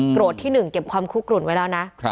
ที่๑เก็บความคุกกลุ่นไว้แล้วนะ